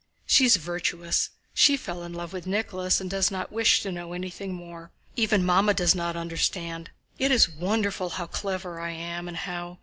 She's virtuous. She fell in love with Nicholas and does not wish to know anything more. Even Mamma does not understand. It is wonderful how clever I am and how...